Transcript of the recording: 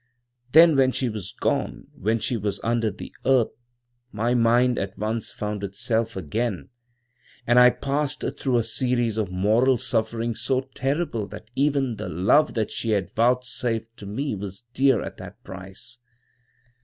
"Then when she was gone, when she was under the earth, my mind at once found itself again, and I passed through a series of moral sufferings so terrible that even the love she had vouchsafed to me was dear at that price.